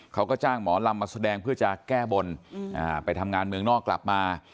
เขาก็จ้างหมอลำมาแสดงเพื่อจะแก้บนไปทำงานเมืองนอกกลับมา